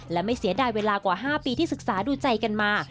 และไม่เสียดายเวลากว่า๕ปีที่ศึกษาดูใจกันมา